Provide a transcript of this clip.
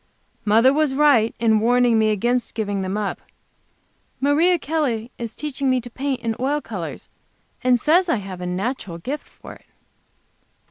Mother was right in warning me against giving them up. Maria Kelley is teaching me to paint in oil colors, and says I have a natural gift for it.